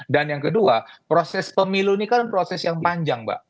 dan yang kedua proses pemilu ini kan proses yang panjang mbak